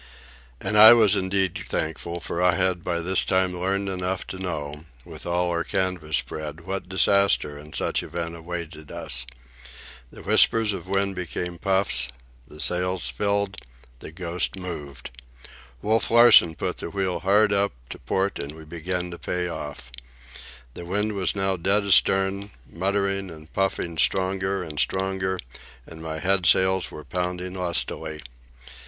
And I was indeed thankful, for I had by this time learned enough to know, with all our canvas spread, what disaster in such event awaited us. The whispers of wind became puffs, the sails filled, the Ghost moved. Wolf Larsen put the wheel hard up, to port, and we began to pay off. The wind was now dead astern, muttering and puffing stronger and stronger, and my head sails were pounding lustily.